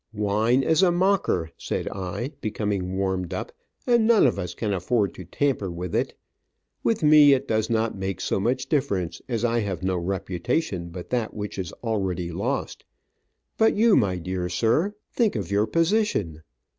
"Wine is a mocker," said I, becoming warmed up, "and none of us can afford to tamper with it. With me, it does not make so much difference, as I have no reputation but that which is already lost, but you, my dear sir, think of your position.